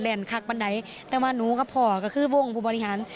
แล้วอันนี้หัวของผู้บอริหาร